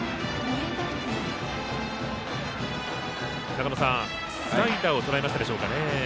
長野さん、スライダーをとらえましたでしょうかね。